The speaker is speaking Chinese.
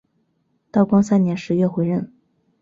道光三年十月回任。